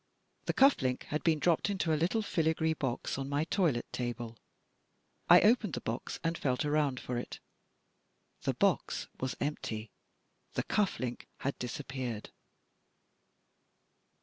The cuff link had been dropped into a little filigree box on my toilet table. I opened the box and felt around for it. The box was empty — the cuff link had disappeared!